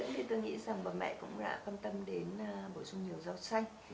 vâng dinh dưỡng thì tôi nghĩ rằng bà mẹ cũng đã quan tâm đến bổ sung nhiều rau xanh